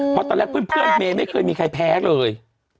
เพราะตอนแรกเพื่อนเมย์ไม่เคยมีใครแพ้เลย